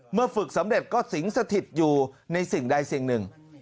ฝึกสำเร็จก็สิงสถิตอยู่ในสิ่งใดสิ่งหนึ่ง